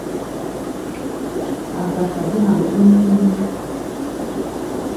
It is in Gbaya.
A̧ gasa bénaŋ ɗéŋkéréŋ.